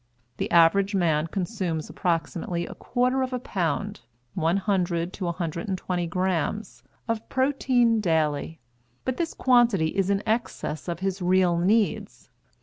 The average man consumes approximately a quarter of a pound (100 to 120 grams) of protein daily; but this quantity is in excess of his real needs.